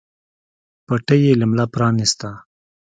پټۍ يې له ملا پرانېسته.